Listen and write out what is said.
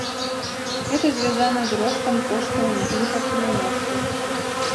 Гэта звязана з ростам коштаў на імпартную нафту.